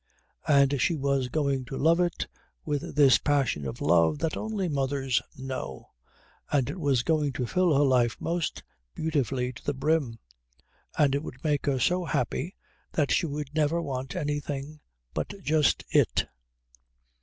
And she was going to love it with this passion of love that only mothers know, and it was going to fill her life most beautifully to the brim, and it would make her so happy that she would never want anything but just it.